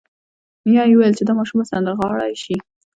نیا یې وویل چې دا ماشوم به سندرغاړی شي